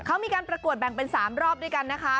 เขามีการประกวดแบ่งเป็น๓รอบด้วยกันนะคะ